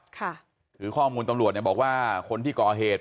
ค่ะคือข้อมูลตำรวจเนี่ยบอกว่าคนที่ก่อเหตุ